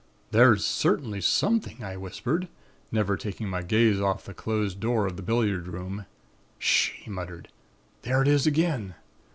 "'There's certainly something,' I whispered, never taking my gaze off the closed door of the billiard room. "'H'sh!' he muttered. 'There it is again.'